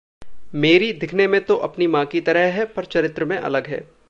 मेरी दिखने में तो अपनी माँ की तरह है पर चरित्र में अलग है।